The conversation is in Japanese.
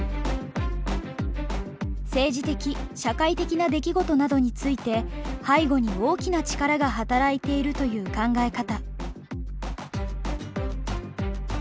政治的・社会的な出来事などについて背後に大きな力が働いているという考え方。